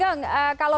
kalau kita lihatnya